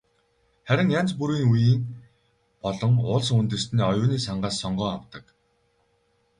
Харин янз бүрийн үеийн болон улс үндэстний оюуны сангаас сонгон авдаг.